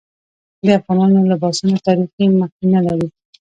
د افغانانو لباسونه تاریخي مخینه لري.